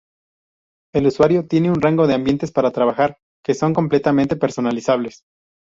El usuario tiene un rango de ambientes para trabajar, que son completamente personalizables.